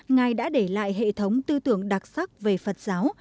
ngài đã để lại hệ thống tư tưởng đặc sắc về phật giáo